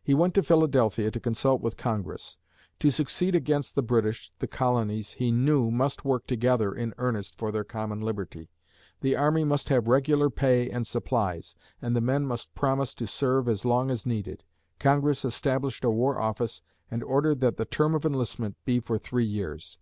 He went to Philadelphia to consult with Congress. To succeed against the British, the colonies, he knew, must work together in earnest for their common liberty. The army must have regular pay and supplies, and the men must promise to serve as long as needed. Congress established a war office and ordered that the term of enlistment be for three years.